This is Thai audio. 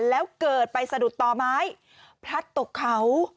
แล้วเกิดไปสะดุดต่อไม้พลัดตกเขา